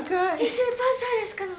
スーパーサウルスかな？